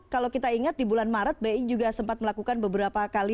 kalau kita ingat di bulan maret bi juga sempat melakukan beberapa kali